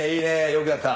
よくやった！